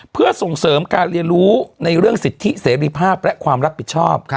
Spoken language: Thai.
เพื่อส่งเสริมการเรียนรู้ในเรื่องสิทธิเสรีภาพและความรับผิดชอบ